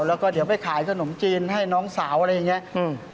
แล้วก็เดี๋ยวไปขายขนมจีนให้น้องสาวอะไรอย่างเงี้ยอืม